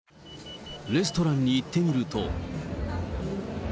レストランに行ってみると。